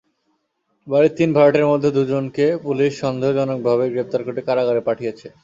বাড়ির তিন ভাড়াটের মধ্যে দুজনকে পুলিশ সন্দেহজনকভাবে গ্রেপ্তার করে কারাগারে পাঠিয়েছে।